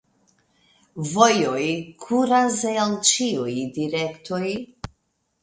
Vojoj kuras el ĉiuj direktoj.